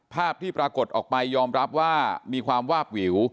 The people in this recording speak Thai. ภาพที่ปรากฏออกไปยอมรับว่ามีความวาบวิว